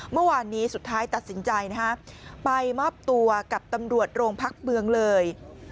เมื่อวานนี้สุดท้ายตัดสินใจนะฮะไปมอบตัวกับตำรวจโรงพักเมืองเลย